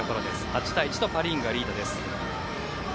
８対１とパ・リーグがリードです。